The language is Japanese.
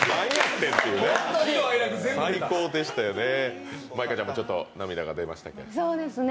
最高でしたよね、舞香ちゃんもちょっと涙が出ましたね。